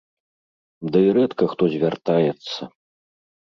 Дый рэдка хто звяртаецца.